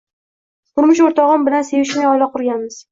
Turmush o`rtog`im bilan sevishmay oila qurganmiz